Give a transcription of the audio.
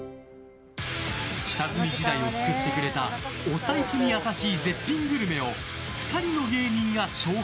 下積み時代を救ってくれたお財布に優しい絶品グルメを２人の芸人が紹介。